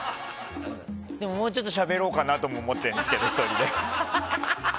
もうちょっと１人でしゃべろうかなとも思ってるんですけど。